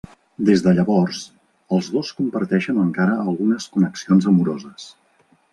Des de llavors, els dos comparteixen encara algunes connexions amoroses.